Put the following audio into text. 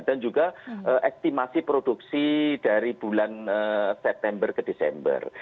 dan juga aktimasi produksi dari bulan september ke desember